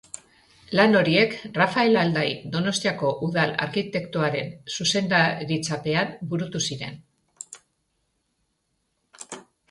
Lan horiek Rafael Aldai Donostiako udal arkitektoaren zuzendaritzapean burutu ziren.